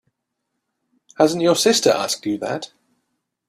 Hasn't your sister asked you that?